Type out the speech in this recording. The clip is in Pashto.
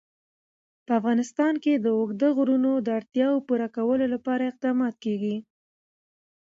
په افغانستان کې د اوږده غرونه د اړتیاوو پوره کولو لپاره اقدامات کېږي.